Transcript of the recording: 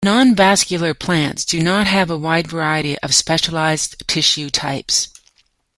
Non-vascular plants do not have a wide variety of specialized tissue types.